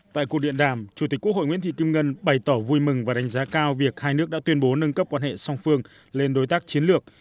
tại cuộc điện đàm chủ tịch quốc hội nguyễn thị kim ngân bày tỏ vui mừng và đánh giá cao việc hai nước đã tuyên bố nâng cấp quan hệ song phương lên đối tác chiến lược